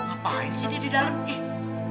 ngapain sih dia didalam